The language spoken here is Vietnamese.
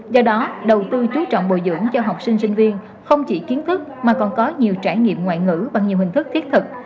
do đó đầu tư chú trọng bồi dưỡng cho học sinh sinh viên không chỉ kiến thức mà còn có nhiều trải nghiệm ngoại ngữ bằng nhiều hình thức thiết thực